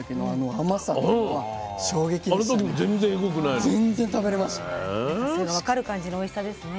じゃあそれが分かる感じのおいしさですね。